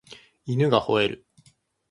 犬が吠える